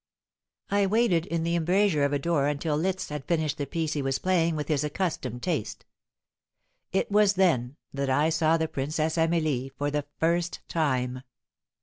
I waited in the embrasure of a door until Liszt had finished the piece he was playing with his accustomed taste. It was then that I saw the Princess Amelie for the first time.